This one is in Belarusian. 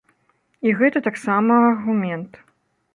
І гэта таксама аргумент.